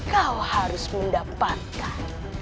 kau harus mendapatkan